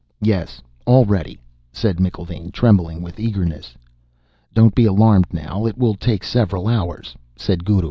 "Yes. All ready," said McIlvaine, trembling with eagerness. "Don't be alarmed now. It will take several hours," said Guru.